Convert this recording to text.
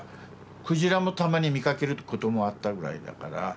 鯨もたまに見かけることもあったぐらいだから。